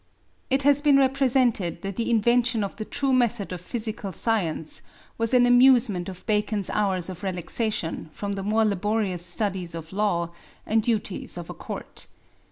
"It has been represented that the invention of the true method of physical science was an amusement of Bacon's hours of relaxation from the more laborious studies of law, and duties of a Court.